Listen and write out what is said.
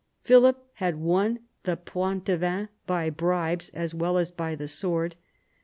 Philip had won the Poitevins by bribes as well as by the sword.